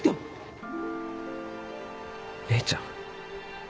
姉ちゃん。